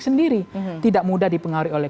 sendiri tidak mudah dipengaruhi oleh